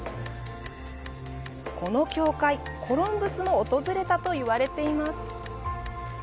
この教会、コロンブスも訪れたと言われています。